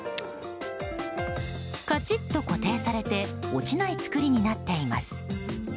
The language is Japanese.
カチッと固定されて落ちない作りになっています。